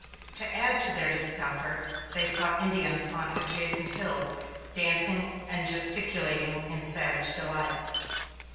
To add to their discomfort, they saw Indians on adjacent hills dancing and gesticulating in savage delight.